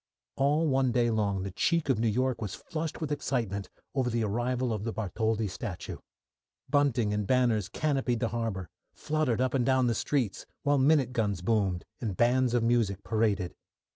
All one day long the cheek of New York was flushed with excitement over the arrival of the Bartholdi statue. Bunting and banners canopied the harbour, fluttered up and down the streets, while minute guns boomed, and bands of music paraded.